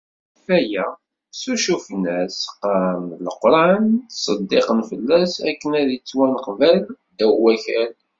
Ɣef waya ssucufen-as, qqaren Leqran, ttseddiqen fell-as akken ad ittwaneqbal ddaw wakal.